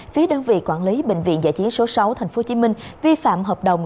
phía đơn vị quản lý bệnh viện giả chiến số sáu tp hcm vi phạm hợp đồng